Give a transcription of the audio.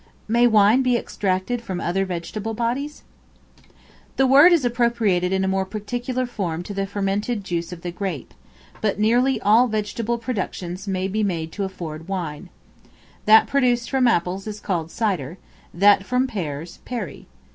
May Wine be extracted from other vegetable bodies? The word is appropriated in a more particular manner to the fermented juice of the grape; but nearly all vegetable productions may be made to afford wine. That produced from Apples is called Cider; that from Pears, Perry.